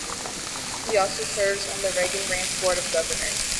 He also serves on the Reagan Ranch Board of Governors.